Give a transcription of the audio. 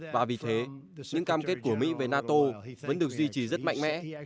và vì thế những cam kết của mỹ về nato vẫn được duy trì rất mạnh mẽ